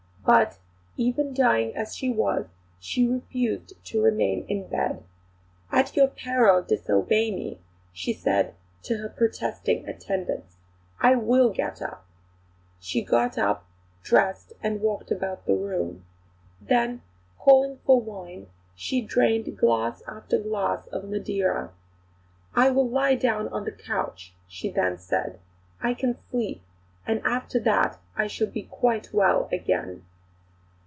But, even dying as she was, she refused to remain in bed. "At your peril, disobey me!" she said to her protesting attendants. "I will get up!" She got up, dressed, and walked about the room. Then, calling for wine, she drained glass after glass of Madeira. "I will lie down on the couch," she then said. "I can sleep, and after that I shall be quite well again."